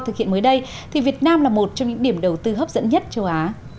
thực hiện mới đây thì việt nam là một trong những điểm đầu tư hấp dẫn nhất châu á